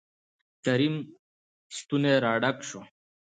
کريم ستونى را ډک شو.